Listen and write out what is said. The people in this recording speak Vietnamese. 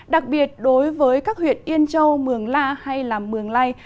đặc biệt đối với các huyện yên châu mường la hay mường lây